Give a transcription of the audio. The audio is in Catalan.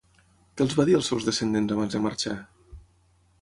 Què els va dir als seus descendents abans de marxar?